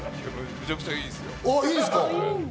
めちゃくちゃいいですよ。